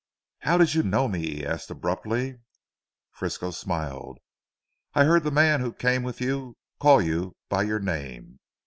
"How did you know me?" he asked abruptly. Frisco smiled, "I heard the man who came with you, call you by your name.